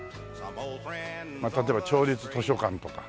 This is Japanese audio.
例えば町立図書館とか。